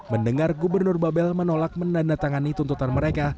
mendengar gubernur babel menolak menandatangani tuntutan mereka